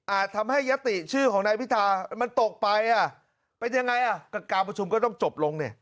อาจทำให้ยะติชื่อของนายพิธามันตกไปเป็นยังไงการประชุมก็ต้องจบลง